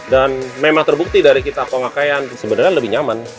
dan memang terbukti dari kita pengakaian sebenernya lebih nyaman